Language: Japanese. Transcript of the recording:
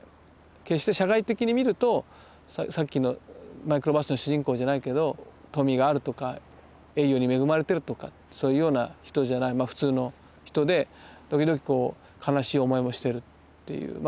決して社会的に見るとさっきの「マイクロバス」の主人公じゃないけど富があるとか栄誉に恵まれてるとかそういうような人じゃない普通の人で時々悲しい思いもしてるっていうまあ